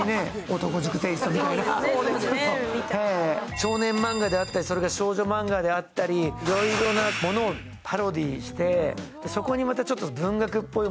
少年マンガであったり少女マンガであったりいろいろなものをパロディーにしてそこにまたちょっと文学っぽい